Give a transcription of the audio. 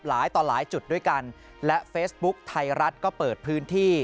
หลายต่อหลายจุดด้วยกันและเฟซบุ๊คไทยรัฐก็เปิดพื้นที่